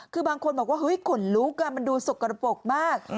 คือบางคนบอกว่าเฮ้ยขนลุกมันดูสกระปกมาก